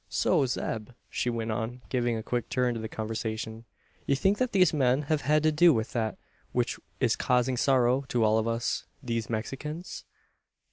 "So, Zeb," she went on, giving a quick turn to the conversation, "you think that these men have had to do with that which is causing sorrow to all of us, these Mexicans?"